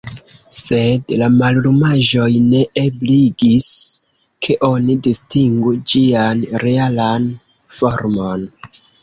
Sed la mallumaĵoj ne ebligis, ke oni distingu ĝian realan formon.